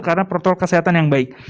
karena protokol kesehatan yang baik